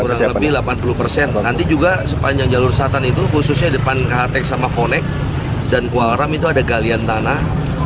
kurang lebih delapan puluh persen nanti juga sepanjang jalur selatan itu khususnya depan katek sama fonek dan kuaram itu ada galian tanah